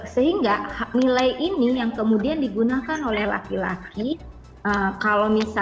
dia tahu bahwa kalau perempuan misalnya dalam umur tertentu perempuan yang dinilai baik oleh sosial itu adalah perempuan yang menikah